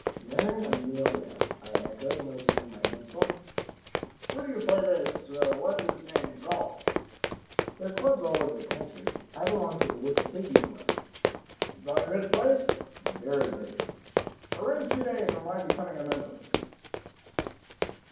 "Marry Amelia," I echoed, moistening my pencil. "Where do you play this what's its name golf?" "There are clubs all over the country. I belong to the Wissahicky Glen." "That a good place?" "Very good." "Arrange today for my becoming a member."